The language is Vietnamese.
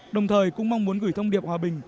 đồng thời cũng mong muốn gửi thông điệp hòa bình